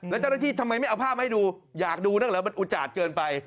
แล้วเจ้าระที่ทำไมไม่เอาภาพให้ดูอยากดูนั่งแล้วมันอุจจาดเกินไป